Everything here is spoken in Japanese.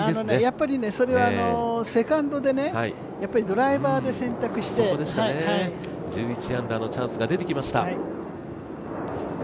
やっぱりそれはセカンドで、ドライバーで選択して１１アンダーのチャンスが出てきました。